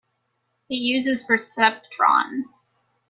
It uses a perceptron.